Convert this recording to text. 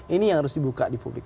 ini yang harus dibuka di publik